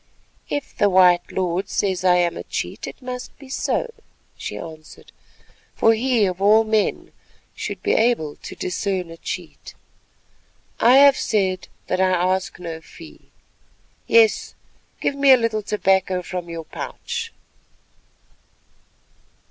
"If the white lord says I am a cheat, it must be so," she answered, "for he of all men should be able to discern a cheat. I have said that I ask no fee;—yes, give me a little tobacco from your pouch."